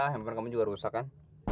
hamper kamu juga rusak kan